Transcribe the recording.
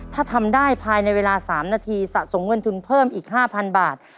ถ้าทำได้ภายในเวลา๓นาทีสะสมเงินทุนเพิ่มอีก๕๐๐บาท